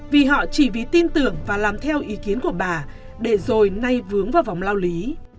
vì họ chỉ vì tin tưởng và làm theo ý kiến của bà để rồi nay vướng vào vòng lao lý